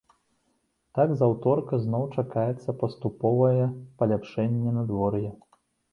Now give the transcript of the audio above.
Так, з аўторка зноў чакаецца паступовае паляпшэнне надвор'я.